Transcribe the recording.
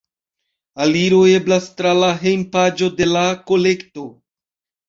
Aliro eblas tra la hejmpaĝo de la kolekto.